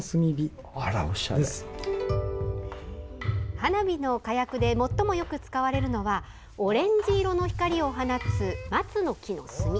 花火の火薬で最もよく使われるのはオレンジ色の光を放つ松の木の炭。